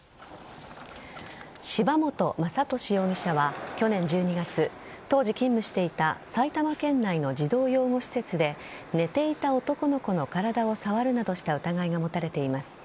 柴本雅俊容疑者は去年１２月、当時勤務していた埼玉県内の児童養護施設で寝ていた男の子の体を触るなどした疑いが持たれています。